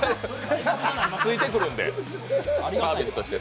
ついてくるんで、サービスとして。